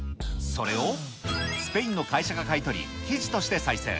それを、スペインの会社が買い取り、生地として再生。